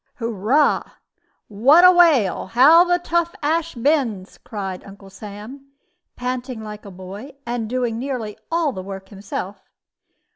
"Hurrah! what a whale! How the tough ash bends!" cried Uncle Sam, panting like a boy, and doing nearly all the work himself.